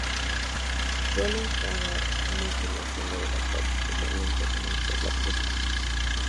Suelen cavar mucho en el fondo del acuario, especialmente durante la puesta.